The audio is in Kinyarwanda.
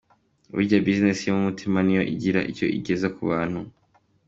Burya business irimo umutima ni yo igira icyo igeza ku bantu”.